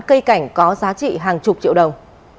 cây cảnh có giá trị hàng chục triệu đồng